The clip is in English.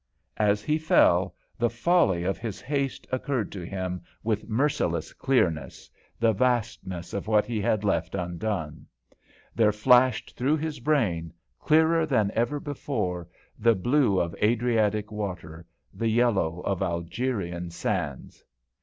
As he fell, the folly of his haste occurred to him with merciless clearness, the vastness of what he had left undone. There flashed through his brain, clearer than ever before, the blue of Adriatic water, the yellow of Algerian sands.